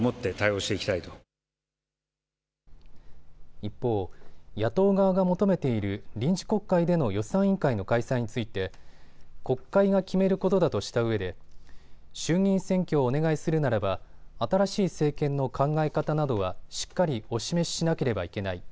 一方、野党側が求めている臨時国会での予算委員会の開催について国会が決めることだとしたうえで衆議院選挙をお願いするならば新しい政権の考え方などはしっかりお示ししなければいけない。